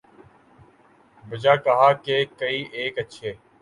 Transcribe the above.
'بجا کہا کہ کئی ایک اچھے